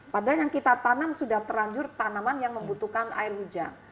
padahal yang kita tanam sudah terlanjur tanaman yang membutuhkan air hujan